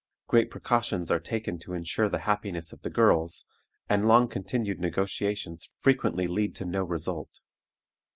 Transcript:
Great precautions are taken to insure the happiness of the girls, and long continued negotiations frequently lead to no result.